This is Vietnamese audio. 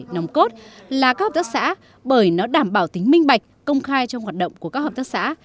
nòng cốt là các hợp tác xã bởi nó đảm bảo tính minh bạch công khai trong hoạt động của các hợp tác xã